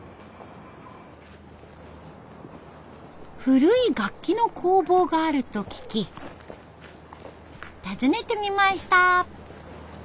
古い楽器の工房があると聞き訪ねてみました。